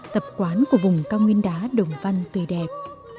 tập quán của vùng cao nguyên đá đồng văn tươi đẹp